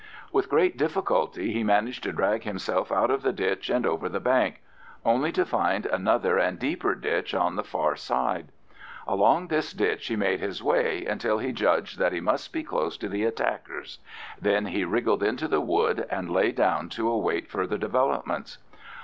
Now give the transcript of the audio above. With great difficulty he managed to drag himself out of the ditch and over the bank, only to find another and deeper ditch on the far side. Along this ditch he made his way until he judged that he must be close to the attackers; then he wriggled into the wood, and lay down to await further developments.